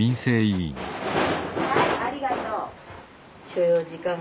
はいありがとう。